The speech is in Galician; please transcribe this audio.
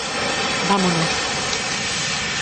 Vámonos.